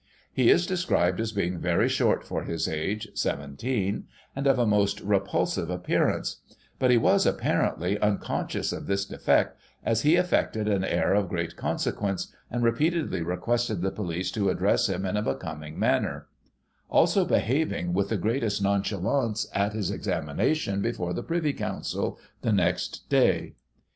He is described as being very short for his age, seventeen, and of a most repulsive appearance ; but he was, apparently, unconscious of this defect, as he affected an air of great consequence, and repeatedly requested the police to address him in a becoming manner ; also behaving with the greatest nonchalance at his examination before the Privy Council, the next day.